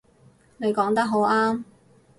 你講得好啱